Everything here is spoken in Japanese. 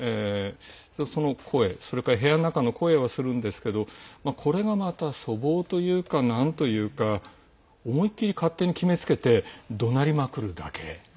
その声、それから部屋の中の声はするんですけどこれがまた粗暴というか、なんというか思い切り、勝手に決めつけてどなりまくるだけ。